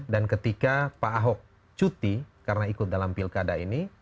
dan ketika pak ahok cuti karena ikut dalam pilkada ini